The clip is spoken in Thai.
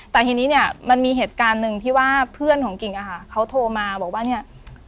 แต่ทีนี้เนี่ยมันมีเหตุการณ์หนึ่งที่ว่าเพื่อนของกิ่งอะค่ะเขาโทรมาบอกว่าเนี่ย